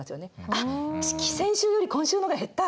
「あっ先週より今週の方が減った。